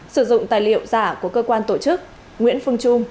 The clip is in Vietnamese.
sử dụng tài liệu giả của cơ quan tổ chức nguyễn phương trung